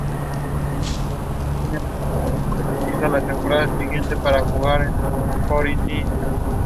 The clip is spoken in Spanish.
La primera temporada estuvo conformada por una historia, "Joint Enterprise".